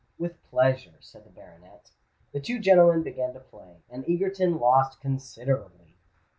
"With pleasure," said the baronet. The two gentlemen began to play; and Egerton lost considerably.